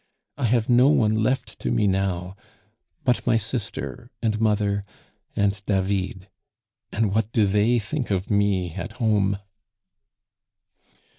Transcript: I have no one left to me now but my sister and mother and David. And what do they think of me at home?"